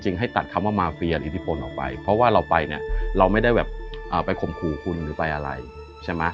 ให้ตัดคำว่ามาเฟียอิทธิพลออกไปเพราะว่าเราไปเนี่ยเราไม่ได้แบบไปข่มขู่คุณหรือไปอะไรใช่ไหม